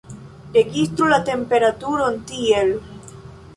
Registru la temperaturon tiel.